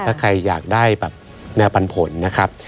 ถ้าใครอยากได้แบบแนวปันผลนะครับ